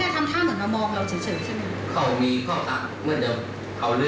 แทบมีดหม่อยไหมครับ